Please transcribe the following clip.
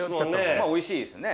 まあおいしいですね。